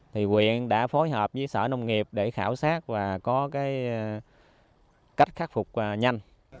thì quyện đã phối hợp với sở nông nghiệp để khảo sát và có cái cách khắc phục nhanh